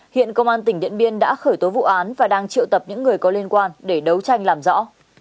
hiện công an tỉnh điện biên đã khởi tố vụ án và đang triệu tập những người có liên quan để đấu tranh làm rõ